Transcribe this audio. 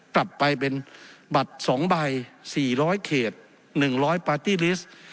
กลับไปเป็นบัตร๒ใบ๔๐๐เขต๑๐๐ปาร์ตี้ลิสต์